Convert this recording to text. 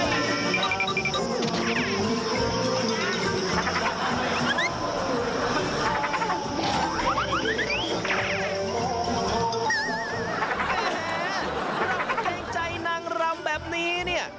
รำเกงใจนางรำแบบนี้นี่